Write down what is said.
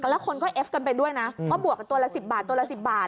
แล้วคนก็เอฟกันไปด้วยนะว่าบวกกับตัวละ๑๐บาทตัวละ๑๐บาท